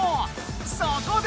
そこで！